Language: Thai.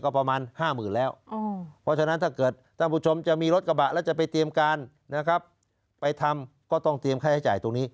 ผู้ชมจะมีรถกระบะแล้วจะไปเตรียมการนะครับไปทำก็ต้องเตรียมค่าใช้จ่ายตรงนี้